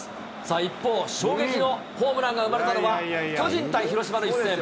一方、衝撃のホームランが生まれたのは、巨人対広島の一戦。